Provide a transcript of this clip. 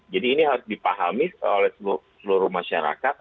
jadi ini harus dipahami oleh seluruh masyarakat